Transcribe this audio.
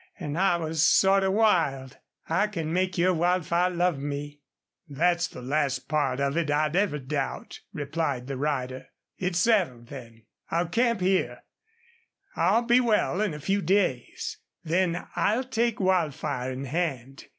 And I was sort of wild. I can make your Wildfire love me." "THAT'S the last part of it I'd ever doubt," replied the rider. "It's settled, then. I'll camp here. I'll be well in a few days. Then I'll take Wildfire in hand.